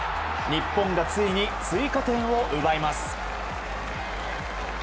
日本がついに追加点を奪います。